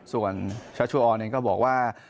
ส่วนชัชวออนเองก็บอกว่า